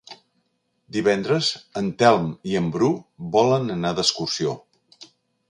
Divendres en Telm i en Bru volen anar d'excursió.